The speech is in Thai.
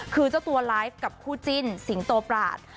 คือเจ้าตัวไลฟ์กับคู่จิ้นสิงโตปราศ